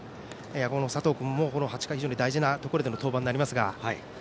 佐藤君も８回、非常に大事なところでの登板になりますから。